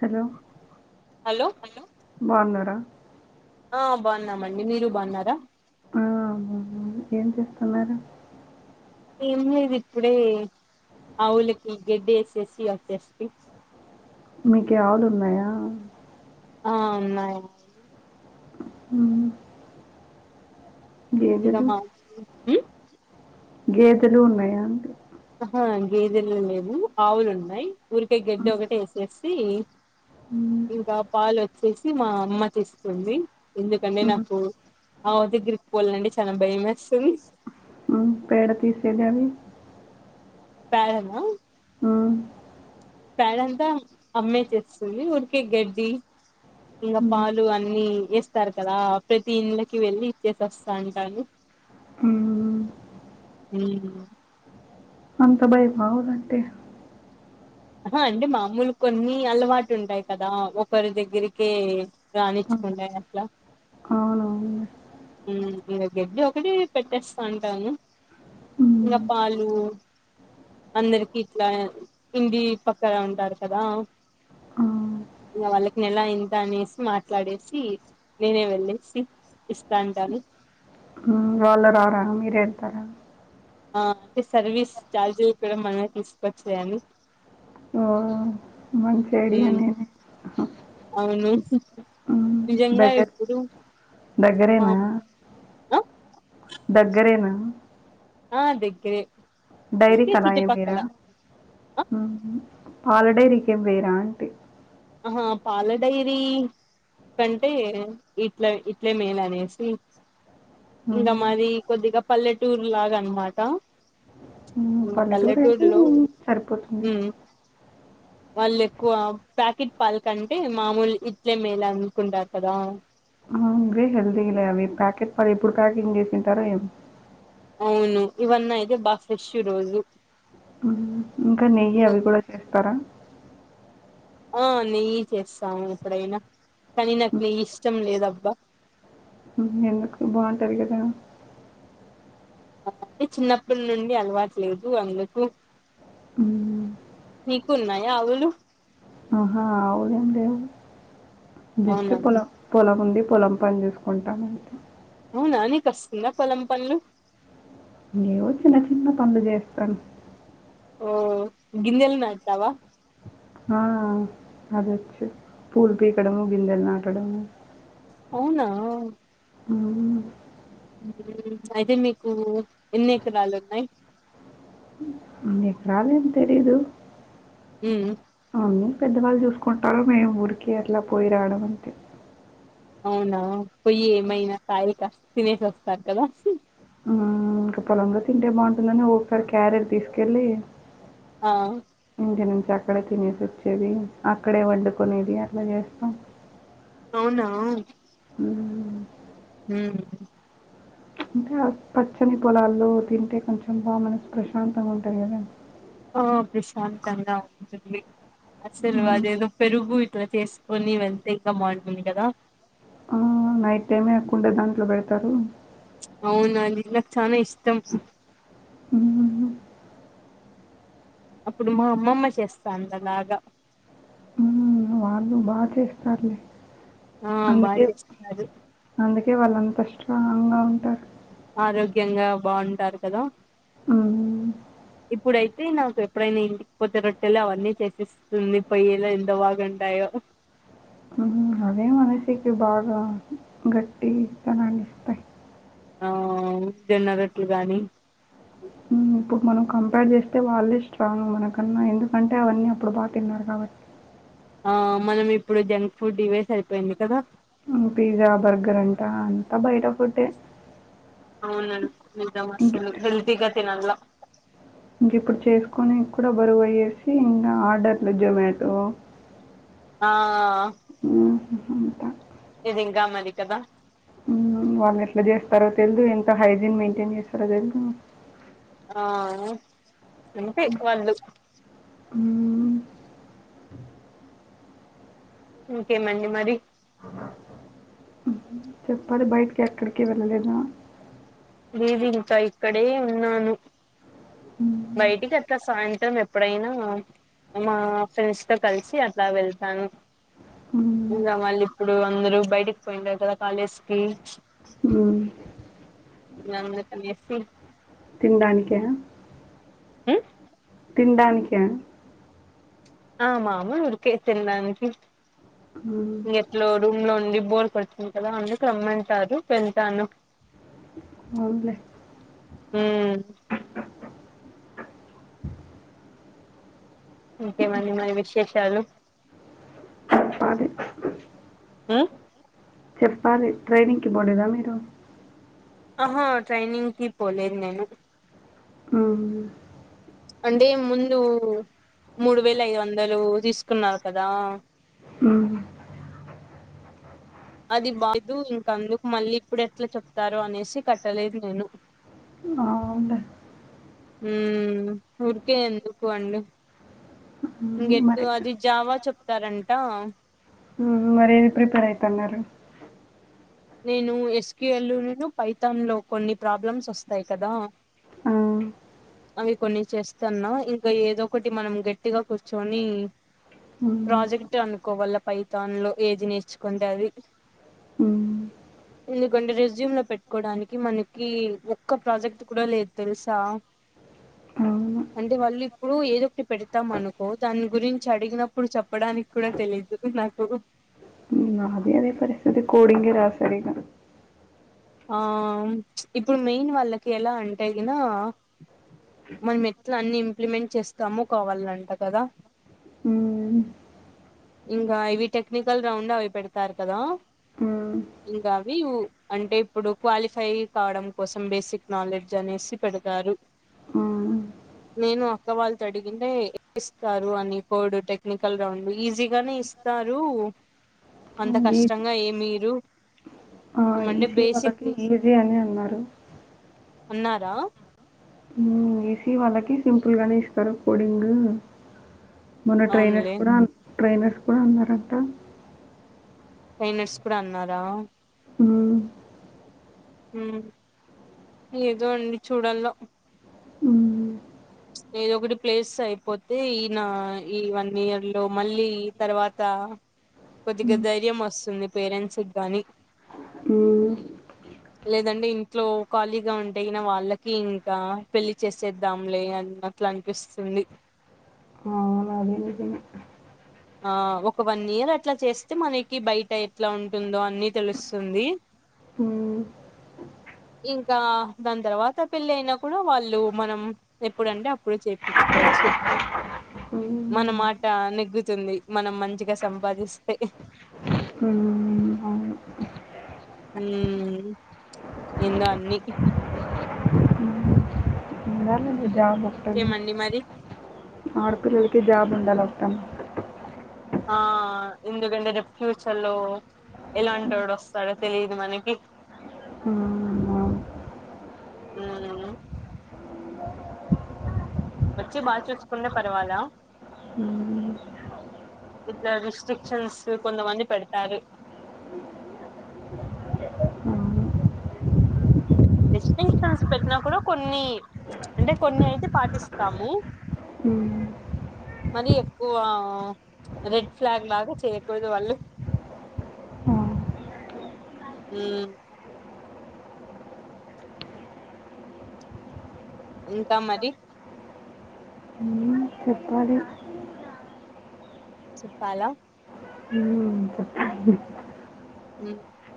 Hello hello బాగున్నారా ఆ బాన్నామండి మీరు బాన్నారా ఆ ఏం చేస్తున్నారు ఏం లేదు ఇప్పుడే ఆవులికి గడ్డి ఏసేసి వచ్చేస్తీ మీకి ఆవులు ఉన్నాయా ఆ ఉన్నాయి అవునా [unintelligible] గేదెలు ఉన్నాయా అండి ఆహా గేదెలు లేవు ఆవులు ఉన్నాయి ఊరికే గడ్డి ఒకటే వేసేసి హ్మ్. ఇంగా పాలొచ్చేసి మా అమ్మ కి ఇస్తుంది ఎందుకంటే హ్మ్. నాకు ఆవు దగ్గరకి పోవాలంటే చాలా భయం వేస్తుంది పేడ తీసేది దాని పేడనా పేడంతా అమ్మే చేస్తుంది ఊరికే గడ్డి ఇంగ హ్మ్. పాలు అన్ని వేస్తారు కదా ప్రతి ఇళ్ళకి వెళ్ళి ఇచ్చేసి వస్తా వుంటాను హామ్ ఉం అంత భయమా ఆవులంటే ఆహా అంటే మామూలు కొన్ని అలవాటు ఉంటాయి కదా ఒకరి దగ్గరికే రానిచ్చు ఆ! కుంటాయి అట్ల అవునవునులే. ఇంగ గడ్డి ఒకటి పెట్టేస్తా అంటాను ఇంగ హ్మ్. పాలు అందరికి ఇట్లా ఇంటి పక్కన ఉంటారు కదా ఆ! ఇంగ వాళ్ళకి నెల ఇంత అనేసి మాట్లాడేసి నేనే వెళ్ళేసి ఇస్త ఉంటాను వాళ్ళ రార మీరే వెళ్తార ఆ అంటే సర్వీస్ చార్జ్లు కూడా మనమే తీసుకోవచ్చులే అని ఓ మంచి ఐడియా నే అవును నిజంగా దగ్గర ఇప్పుడు మా దగ్గరేనా? ఆ దగ్గరేనా ఆ దగ్గరే అయితే డైరీకి అలా ఏమి చుట్టుపక్కల ఇరా ఆ, పాలడైరీకి ఏమి వేయరా అంటి ఆహా పాలడైరీ కంటే ఇట్ల ఇట్లే మేలు అనేసి ఇంగ హ్మ్. మాది కొద్దిగా పల్లెటూరులాగా అనమాట హ్మ్. మా పల్లెటూరైతే పల్లెటూరులో సరిపోతుంది. మ్ వాళ్ళు ఎక్కువ ప్యాకెట్ పాలక అంటే మామూలు ఇట్లే మేలు అనుకుంటారు కదా అవును లే హెల్తీలే అవి ప్యాకెట్ పది ఎప్పుడు ప్యాకింగ్ చేసింటారో ఏం అవును ఇవన్న ఇతే బా ఫ్రెష్ రోజు ఇంకా నెయ్యి అవి కూడా చేస్తారా ఆ నెయ్యి చేస్తాము ఎప్పుడైనా కానీ నాకు హ్మ్. నెయ్యి ఇష్టం లేదబ్బా ఎందుకు బాగుంటాది కదా అంటే చిన్నప్పటి నుండి అలవాటులేదు అందుకు మ్ కున్నాయ అవులు ఆహా ఆవులేం లేవు జస్ట్ అవునా పొలం పొలం ఉంది పొలం పని చేసుకుంటామంతే అవునా నీకోస్తుందా పొలం పనులు నేవో చిన్న చిన్న పనులు చేస్తాను ఓ గింజెలు నటుతవా ఆ అదొచ్చు పూలు పీకడము గింజెలు నాటడము అవునా అవును మ్ అయితే మీకు ఎన్ని ఎకరాలు ఉన్నాయి మీకు రాలే అని తెలీదు మ్ అన్నీ పెద్దవాళ్ళు చూసుకుంటారు మేము ఊరికి అట్లా పోయి రాడం అంతే అవునా పోయ్యి ఏమైనా సాయిత తినేసి వస్తారు కదా అ ఇంకా పొలంగా తింటే బాగుంటుందని ఒకసారి క్యారిీయజ్ తీసుకెళ్ళి ఆ ఇంటి నుంచి అక్కడే తినేసి వచ్చేది అక్కడే వండుకునేది అట్లా చేస్తాం అవునా మ్మ్, మ్ ఇంకా పచ్చని పొలాల్లో తింటే కొంచెం బాగా మనసు ప్రశాంతంగా ఉంటాది కద ఆ ప్రశాంతంగా ఉంటుంది అసలు మ్మ్, అదేదో పెరుగు ఇట్లా చేసుకొని వెళ్తే ఇంకా బాగుంటుంది కదా మ్ నైట్ టైమే కుండా దాంట్లో పెడుతారు అవునండి నాకు చనా ఇష్టం మ్ అప్పుడు మా అమ్మమ్మ చేస్తా అంద బాగా మ్మ్, వాళ్ళు బాగా చేస్తారులే ఆ బాగా అందుకే చేస్తారు అందుకే వాళ్ళుంత స్ట్రాంగ్గా ఉంటారు ఆరోగ్యంగా బాగుంటారు కదా ఆ ఇప్పుడైతే నాకు ఎప్పుడైనా ఇంటికి పోతే రొట్టెలు అవన్నీ చేసిస్తె పొయ్యేలో ఎంత బాగాంటాయో గట్టి ఇత్తనాలు ఇస్తాయి ఆ జొన్నరట్లు గాని ఉ ఇప్పుడు మనం కంపేర్ చేస్తే వాళ్ళే స్ట్రాంగ్ మనకన్నా ఎందుకంటే అవన్నీ అప్పుడు బాగా తిన్నారు కాబట్టి ఆ మనం ఇప్పుడు జంక్ ఫుడ్ ఇవే సరిపోయింది కదా పిజ్జా బర్గర్ అంట అంతా బయట ఫుడ్డే అవునండి నిజమసలు హెల్తిగా తినాల ఇంక ఇప్పుడు చేసుకునేకి కూడా బరువయ్యేసి ఇంక ఆర్డర్లు జొమాటో ఆ అ అంట [unintelligible] ఇది ఇంకా మరి కదా ఉ వాల్లు ఎట్లా చేస్తారో తెలీదు ఎంత హైజీన్ మెయింటైన్ చేస్తారో తెలీదు ఆ అంతే వాళ్లు ఆ ఓకేనండి మరి చెప్పాలి బయటికి ఎక్కడికి వెళ్ళలేద లేదు ఇంకా ఇక్కడే ఉన్నాను హ్మ్. బయటికి అట్లా సాయంత్రం సాయంత్రం ఎప్పుడైనా మా ఫ్రెండ్స్ తో కలిసి అట్లా వెళ్తాను హ్మ్. ఇంకా మళ్ళీ ఇప్పుడు అందరు బయటకి పోయిండారు కదా కాలేజ్ కి హ్ అందుకనేసి తినడానిక ఆ తినడానిక ఆ మాములు ఊరికే తినడానికి మ్మ్. ఇంకెట్లో రూమ్ లో ఉండి బోర్ కొడుతుంది కదా అందుకు రమ్మంటారు వెలతాను అవును లే మ్ ఇంకేమండి మరి విశేషాలు చెప్పాలి ఆ చెప్పాలి ట్రైనింగ్కి పోలేదా మీరు ఆహా ట్రైనింగ్కి పోలేదు నేను ఆ అంటే ముందు మూడు వేల ఐదు వందలు తీసుకున్నారు కదా ఆ అది బాదు ఇంకందుకు మళ్ళీ ఇప్పుడెట్లా చెప్తారో అనేసి కట్టలేదు నేను ఆ ఉ ఊరికే ఎందుకు అండి మ్మ్. ఇంకెటు మరి అది జావా చెప్తారంట మ్మ్. మరి ఏది ప్రిపేర్ అయితాన్నారు నేను ఎస్క్యూఎల్ పైథాన్ లో కొన్ని ప్రాబ్లమ్స్ వస్తాయి కదా అ అవి కొన్ని చేస్తాన్నా ఇంకా ఏదో ఒకటి మనం గట్టిగా కూర్చొని మ్మ్. ప్రాజెక్ట్ అనుకోవల పైతాన్ లో ఏది నేర్చుకుంటే అది మ్మ్. [inaudible] ఎందుకంటే రిజ్యూమ్ లో పెట్టుకోవడానికి మనకి ఒక్క ప్రాజెక్ట్ కూడా లేదు తెలుసా అవును [inaudible] అంటే వాళ్ళు ఇప్పుడు ఏదొ ఒకటి పెడతాం అనుకో దాని గురించి అడిగినప్పుడు చెప్పడానికి కూడా తెలీదు లాంటూడు నాది అదే పరిస్థితి కోడింగ్ ఏ రాసారు ఆ ఇప్పుడు మెయిన్ వాళ్ళకి ఎలా అంటే గిన మనం ఎట్ల అన్ని ఇంప్లిమెంట్ చేస్తాము కావాలంట కదా మ్మ్. ఇంకా ఇవి టెక్నికల్ రౌండ్ అవి పెడతారు కదా మ్మ్. ఇంకా అవి అంటే ఇప్పుడు క్వాలిఫై కావడం కోసం బేసిక్ నాలెడ్జ్ అనేసి పెడతారు ఆ [inaudible] నేను అక్క వాళ్ళతో అడిగితే ఇస్తారు అని కోడ్ టెక్నికల్ రౌండ్ ఈజీ గానే ఇస్తారు అంత ఈసీ కష్టంగా ఏమియ్యరు ఆ ఇసి వాళ్ళకి ఈజీ అని అన్నారు అన్నారా ఇసి వాళ్లకి సింపుల్గానే ఇస్తారు కోడింగ్ మొన్న ట్రైనర్స్ అవునులే కూడా ట్రైనర్స్ కూడా అన్నారంట ట్రైనర్స్ కూడా అన్నారా ఉ ఉ ఏదో అండి చూడాలా ఉమ్, ఏద ఒకటి ప్లేస్ అయిపోతే ఈయన ఈ వన్ ఇయర్ లో మళ్ళీ తర్వాత కొద్దిగా ఉమ్, ధైర్యం వస్తుంది పేరెంట్స్ గాని ఉ లేదంటే ఇంట్లో ఖాళీగా ఉంటే వాళ్ళకి ఇంకా పెళ్లి చేసేద్దాంలే అట్లా అనిపిస్తుంది అవును అదే నిజమే ఆ ఒక వన్ ఇయర్ అట్లా చేస్తే మనకి బయట ఎట్లా ఉంటుందో అన్ని తెలుస్తుంది ఉ [inaudible] ఇంకా దాని తర్వాత పెళ్ళి అయినా కూడా వాళ్ళు మనం ఎప్పుడుంటే అప్పుడు చెపించు కోవచ్చు ఉ నెగ్గుతుంది మనం మంచిగా సంపాదిస్తే ఉ ఉమ్ ఇంగ అన్ని ఏ జాబ్ ఒద్దని ఇంకేమండి మరి ఆడపిల్లకి జాబ్ ఉండాలంట ఆ ఎందుకంటే రేపు ఫ్యూచర్లో ఎలాంటోడు వస్తాడు తెలిదు మనకి ఆ అవునా ఉ వచ్చి బాగా చూసుకునే పర్వాలా ఉమ్, ఇట్ల రెస్ట్రషన్స్ కొంతమంది పెతారు అవును అ అవునా రెస్ట్రిక్షన్స్ పెట్టినా కూడా కొన్ని అంటే కొన్ని అయితే పాటిస్తాము ఉమ్ మరి ఎక్కువ రెడ్ ఫ్లాగ్ లాగా చేయకూడదు వాళ్ళు అవును. మ్ ఇంకా మరి వాడే చెప్పాల ఉమ్, చెప్పాలి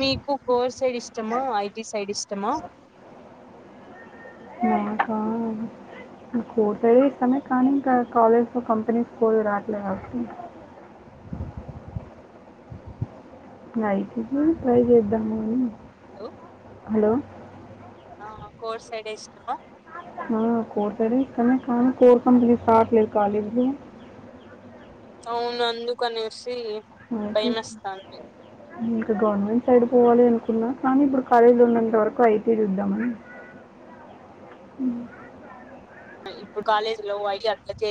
మీకు కోర్ సైడ్ ఇష్టమా ఐటీ సైడ్ ఇష్టమా కోర్ సైడే ఇష్టమే కానీ ఇంక కాలేజ్లో కంపెనీస్ కోర్లో రావట్లే ఐటి సైడ్ ట్రై చేద్దామని హలో హలో ఆ కోర్ సైడే ఇష్టమా ఆ కోర్ సైడే ఇష్టమే కానీ కోర్ కంపెనీస్ రాట్లేదు కాలేజ్లో అవును అందుకనేసి ఐటీ భయమేస్తాంది ఇంకా గవర్నమెంట్ సైడ్ పోవాలి అనుకున్నా కానీ ఇప్పుడు కాలేజీలో ఉన్నంత వరకు ఐటీ చూద్దామని ఇప్పుడు కాలేజ్లో ఓ ఐడి అట్లచే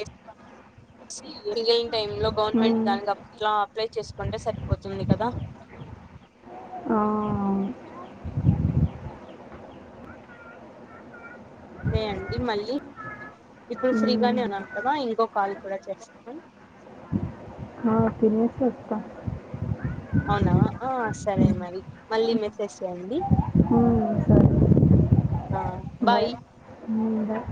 మిగిలిన టైంలో గవర్నమెంట్ ఉమ్, దానికి అప్ల అప్లై చేసుకుంటే సరిపోతుంది కదా ఆ అదే అండి మళ్ళీ ఇప్పుడు ఉమ్, ఫ్రీగానే ఉన్నాను కదా ఇంకో కాల్ కూడా చేస్తాను ఆ తినేసి వస్తా అవునా ఆ సరే ఉమ్, మరి మళ్ళీ మెసేజ్ చేయండి ఆ మరి బాయ్ ఇందాక